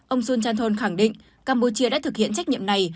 ông sun chan thon khẳng định campuchia đã thực hiện trách nhiệm này